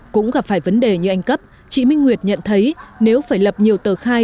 cũng gặp phải vấn đề như anh cấp chị minh nguyệt nhận thấy nếu phải lập nhiều tờ khai